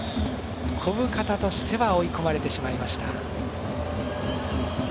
小深田としては追い込まれてしまいました。